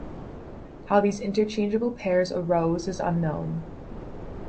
How these interchangeable pairs arose is unknown.